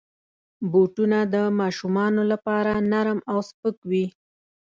بوټونه د ماشومانو لپاره نرم او سپک وي.